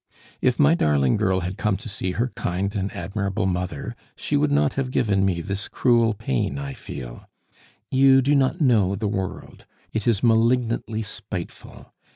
If my darling girl had come to see her kind and admirable mother, she would not have given me this cruel pain I feel! You do not know the world; it is malignantly spiteful.